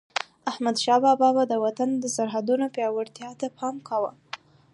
احمدشاه بابا به د وطن د سرحدونو پیاوړتیا ته پام کاوه.